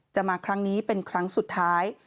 มาครั้งนี้เป็นครั้งสุดท้าย